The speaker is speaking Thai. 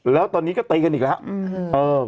แล้วตอนนี้ก็ตีกันอีกแล้ว